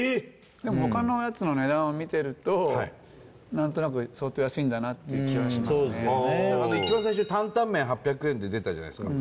でも他のやつの値段を見てると何となく相当安いんだなっていう気はしますね一番最初担々麺８００円って出たじゃないですか